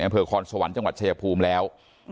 อำเภอคอนสวรรค์จังหวัดชายภูมิแล้ว